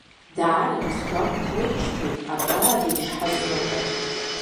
Даара исгәамԥхоижьҭеи акрааҵуеит ишҳазныҟәо.